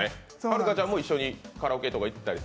はるかちゃんも一緒にカラオケとか行ったり？